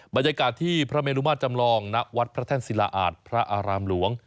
บรรยากาศที่พระเมลุมาตรจำลองณวัดพระแท่นศิลาอาจพระอารามหลวง